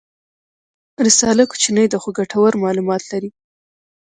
رساله کوچنۍ ده خو ګټور معلومات لري.